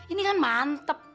ini kan mantep